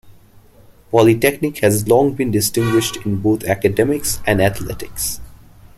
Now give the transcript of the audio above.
Polytechnic has long been distinguished in both academics and athletics.